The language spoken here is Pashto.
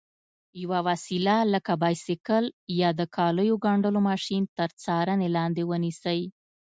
یوه وسیله لکه بایسکل یا د کالیو ګنډلو ماشین تر څارنې لاندې ونیسئ.